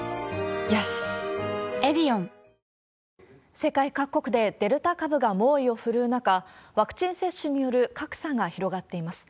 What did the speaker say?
世界各国でデルタ株が猛威を振るう中、ワクチン接種による格差が広がっています。